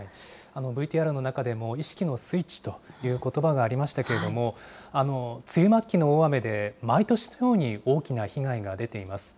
ＶＴＲの中でも、意識のスイッチということばがありましたけれども、梅雨末期の大雨で毎年のように大きな被害が出ています。